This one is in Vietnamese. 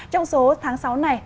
trong số tháng sáu này